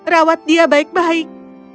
rawat dia baik baik